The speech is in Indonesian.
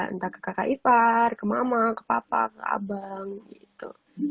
entah ke kakak ipar ke mama ke papa ke abang gitu